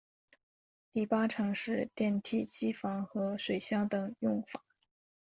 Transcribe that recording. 第八层是电梯机房和水箱等用房。